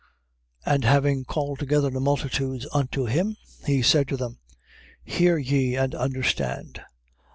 And having called together the multitudes unto him, he said to them: Hear ye and understand.